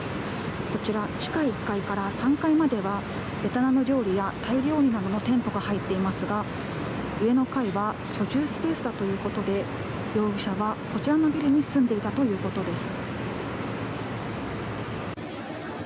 こちら地下２階から３階まではベトナム料理やタイ料理などの店舗が入っていますが上の階は居住スペースだということで容疑者は、こちらのビルに住んでいたということです。